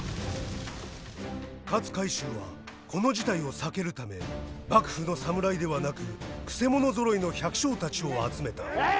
勝海舟はこの事態を避けるため幕府の侍ではなくくせ者ぞろいの百姓たちを集めた。